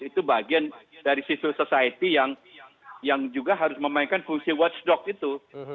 itu bagian dari civil society yang juga harus memainkan fungsi watchdog itu